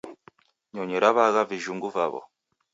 Nyonyi raw'aagha vijhungu vaw'o